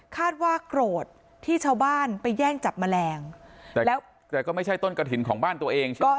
คาดว่าโกรธที่ชาวบ้านไปแย่งจับแมลงแล้วแต่ก็ไม่ใช่ต้นกระถิ่นของบ้านตัวเองใช่ไหม